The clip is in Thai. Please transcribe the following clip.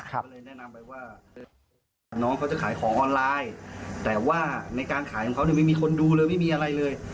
น้องเขาจะขายของออนไลน์แต่ว่าในการขายของเขาไม่มีคนดูเลยไม่มีอะไรเลย